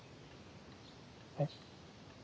えっ？